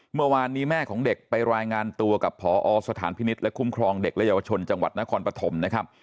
เมื่อวานนี้แม่ของเด็กไปรายงานตัวกับพอสถานพินิษฐ์และคุ้มครองเด็กและเยาวชนจังหวัดนครปฐมนะครับ